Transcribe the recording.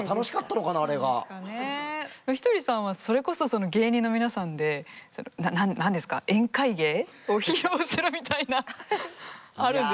ひとりさんはそれこそ芸人の皆さんで何ですか宴会芸を披露するみたいなあるんですか？